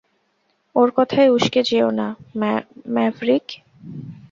ওর কথায় উস্কে যেও না, ম্যাভরিক।